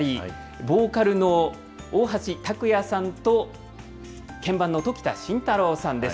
ボーカルの大橋卓弥さんと、鍵盤の常田真太郎さんです。